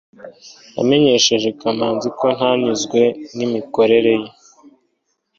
namenyesheje kamanzi ko ntanyuzwe nimikorere ye